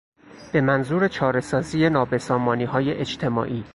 به منظور چارهسازی نابسامانیهای اجتماعی